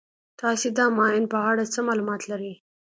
تاسې د ماین په اړه څه معلومات لرئ.